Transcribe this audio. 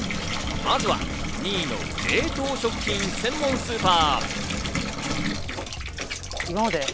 まずは２位の冷凍食品専門スーパー。